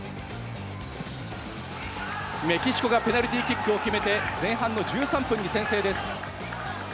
メキシコがペナルティーキックを決めて前半の１３分に先制です。